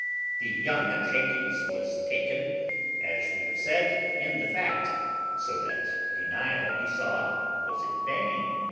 The young Achates was taken, as we have said, in the fact; so that denial he saw was in vain.